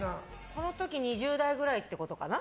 この時２０代くらいってことかな？